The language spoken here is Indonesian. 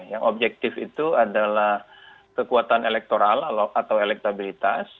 yang objektif itu adalah kekuatan elektoral atau elektabilitas